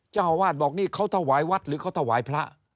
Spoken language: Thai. เจ้าอาวาสบอกนี่เขาถวายวัดหรือเขาถวายพระ